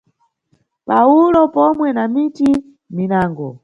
Pawulo pomwe na miti minango.